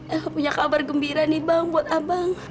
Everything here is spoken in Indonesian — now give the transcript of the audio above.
aku punya kabar gembira nih bang buat abang